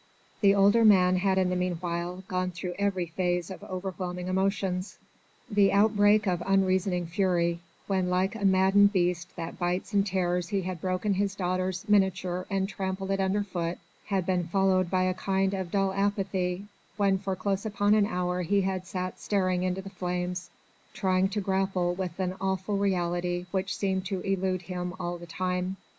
The older man had in the meanwhile gone through every phase of overwhelming emotions. The outbreak of unreasoning fury when like a maddened beast that bites and tears he had broken his daughter's miniature and trampled it under foot had been followed by a kind of dull apathy, when for close upon an hour he had sat staring into the flames, trying to grapple with an awful reality which seemed to elude him all the time.